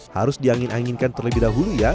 harus diangin anginkan terlebih dahulu ya